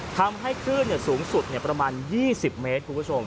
ทำให้คลื่นสูงสุดประมาณ๒๐เมตรคุณผู้ชม